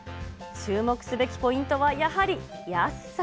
注目すべきポイントはやはり安さ。